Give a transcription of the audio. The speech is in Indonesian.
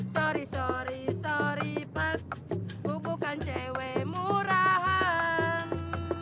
sorry sorry sorry pak ku bukan cewek murahan